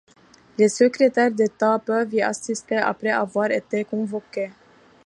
Les secrétaires d'État peuvent y assister, après avoir été convoqués.